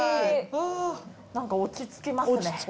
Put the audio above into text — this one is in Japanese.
何か落ち着きますね。